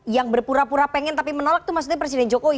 yang berpura pura pengen tapi menolak itu maksudnya presiden jokowi